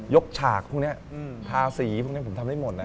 ฉากพวกนี้ทาสีพวกนี้ผมทำได้หมดนะ